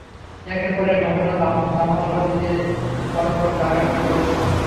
একের পর এক ঘটনা দামাচাপা দিতে পরপর চারটা খুন করেছি।